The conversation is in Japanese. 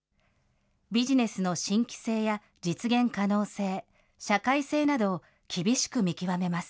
ビジネスの新規性や実現可能性、社会性などを厳しく見極めます。